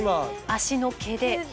脚の毛で。